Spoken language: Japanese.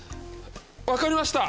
わかりました！